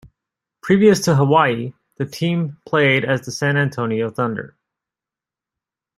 Previous to Hawai'i, the team played as the San Antonio Thunder.